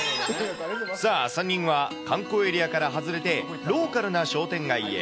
さあ、３人は観光エリアから外れてローカルな商店街へ。